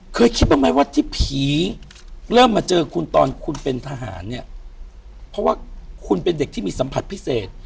เคยคิดบ้างไหมว่าที่ผีเริ่มมาเจอคุณตอนคุณเป็นทหารเนี่ยเพราะว่าคุณเป็นเด็กที่มีสัมผัสพิเศษ